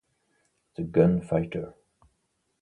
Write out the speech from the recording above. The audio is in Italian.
The Gun Fighter